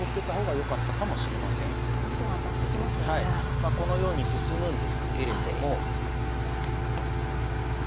まあこのように進むんですけれども。